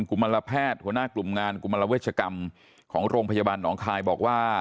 กลุ่มมันละแพทย์หัวหน้ากลุ่มงานกลุ่มมันละเวชกรรมของโรงพยาบาลน้องคลายบอกว่า